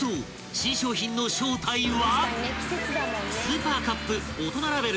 新商品の正体は］